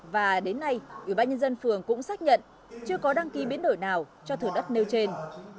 và đến nay ủy ban nhân dân phường cũng xác nhận chưa có đăng ký biến đổi nào cho thừa đất nêu trên